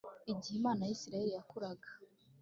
Igihe Imana ya Isiraheli yakuraga